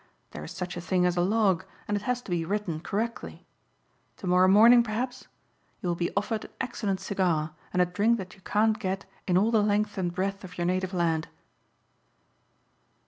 There is such a thing as a log and it has to be written correctly. Tomorrow morning perhaps? You will be offered an excellent cigar and a drink that you can't get in all the length and breadth of your native land."